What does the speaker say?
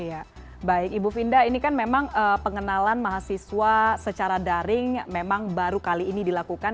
ya baik ibu finda ini kan memang pengenalan mahasiswa secara daring memang baru kali ini dilakukan